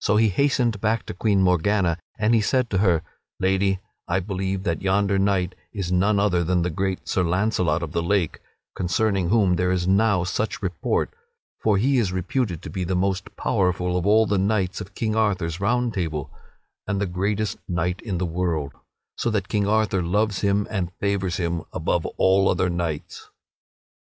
So he hastened back to Queen Morgana and he said to her: "Lady, I believe that yonder knight is none other than the great Sir Launcelot of the Lake, concerning whom there is now such report; for he is reputed to be the most powerful of all the knights of King Arthur's Round Table, and the greatest knight in the world, so that King Arthur loves him and favors him above all other knights."